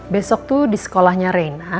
besok tuh di sekolahnya reinhard